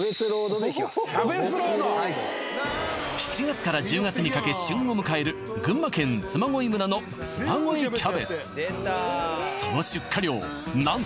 ７月から１０月にかけ旬を迎える群馬県嬬恋村の嬬恋キャベツ